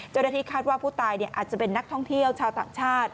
เจ้าหน้าที่คาดว่าผู้ตายอาจจะเป็นนักท่องเที่ยวชาวต่างชาติ